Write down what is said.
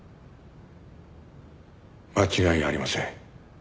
間違いありません。